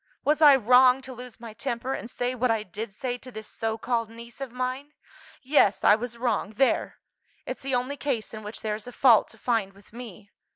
Was I wrong to lose my temper, and say what I did say to this so called niece of mine? Yes, I was wrong, there: it's the only case in which there is a fault to find with me.